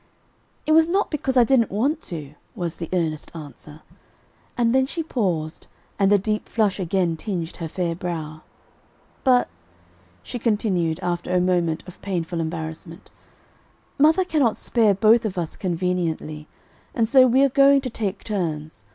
"It was not because I didn't want to," was the earnest answer, and then she paused and the deep flush again tinged her fair brow; "but," she continued after a moment of painful embarrassment, "mother can not spare both of us conveniently, and so we are going to take turns.